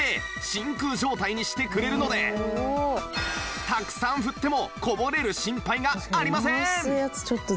真空状態にしてくれるのでたくさん振ってもこぼれる心配がありません！